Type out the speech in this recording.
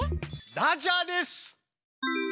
ラジャーです！